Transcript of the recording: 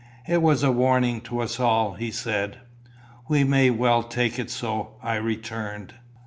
"It was a warning to us all," he said. "We may well take it so," I returned.